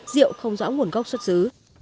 rượu không rõ nguồn gốc xuất xứ